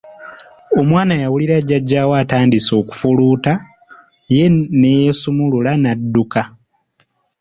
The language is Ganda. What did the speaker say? Omwana yawulira jajjaawe atandise okufuluuta ye ne yeesumulula n'adduka.